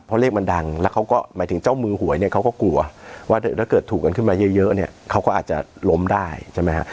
เพราะเลขมันดังแล้วเขาก็หมายถึงเจ้ามือหวยเนี่ยเขาก็กลัวว่าถ้าเกิดถูกกันขึ้นมาเยอะเนี่ยเขาก็อาจจะล้มได้ใช่ไหมฮะ